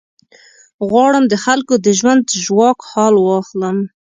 غواړم د خلکو د ژوند ژواک حال واخلم.